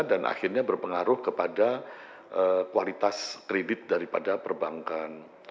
dan akhirnya berpengaruh kepada kualitas kredit daripada perbankan